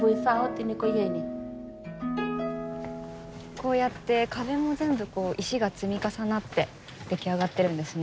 こうやって壁も全部石が積み重なって出来上がっているんですね。